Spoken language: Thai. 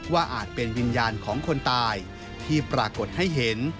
อาจเป็นวิญญาณของคนตายที่ปรากฏให้เห็น